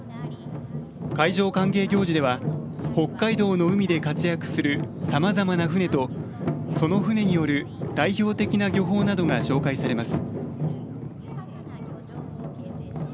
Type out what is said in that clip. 海上歓迎行事では北海道の海で活躍するさまざまな船と、その船による代表的な漁法などが紹介されます。